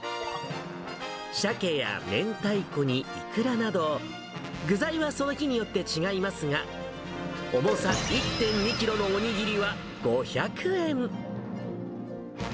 シャケや明太子にイクラなど、具材はその日によって違いますが、重さ１．２キロのおにぎりは５００円。